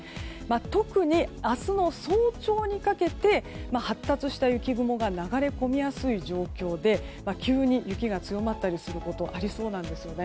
特に、明日の早朝にかけて発達した雪雲が流れ込みやすい状況で急に雪が強まったりすることありそうなんですよね。